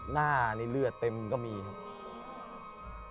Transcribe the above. หน้านี่เลือดเต็มก็มีครับ